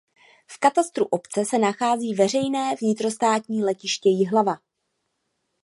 V katastru obce se nachází veřejné vnitrostátní letiště Jihlava.